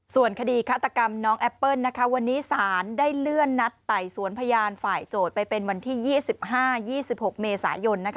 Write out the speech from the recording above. ส่วนคดีฆาตกรรมน้องแอปเปิ้ลวันนี้ศาลได้เลื่อนนัดไต่สวนพยานฝ่ายโจทย์ไปเป็นวันที่๒๕๒๖เมษายน